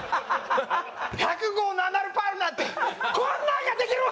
１００号のアナルパールなんてこんなんができるわ！